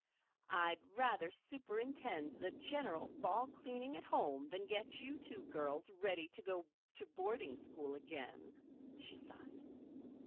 "I'd rather superintend the general fall cleaning at home than get you two girls ready to go to boarding school again," she sighed.